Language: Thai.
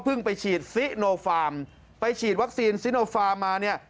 ไปฉีดซิโนฟาร์มไปฉีดวัคซีนซิโนฟาร์มมาเนี่ย